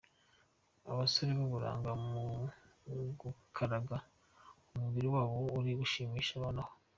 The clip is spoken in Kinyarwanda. Abasore b’ubuhanga mu gukaraga umubiri wabo bari gushimisha abantu aho.